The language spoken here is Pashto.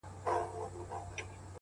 زړه ته د ښايست لمبه پوره راغلې نه ده ـ